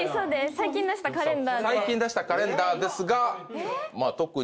最近出したカレンダーですがまあ特に。